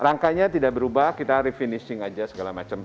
rangkanya tidak berubah kita refinishing aja segala macam